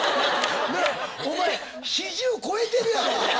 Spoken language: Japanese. お前４０超えてるやろ！